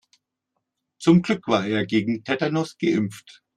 Zum Glück war er gegen Tetanus geimpft.